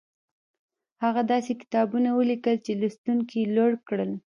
هغه داسې کتابونه وليکل چې لوستونکي يې لوړ کړل.